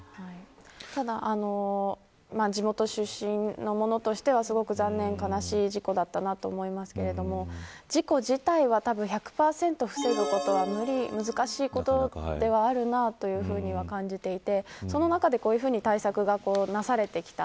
ただ、地元出身の者としてはすごく残念で悲しい事故だったと思いますけど事故自体は１００％防ぐことは難しいことではあるなというふうに感じていてその中でこういうふうに対策がなされてきた。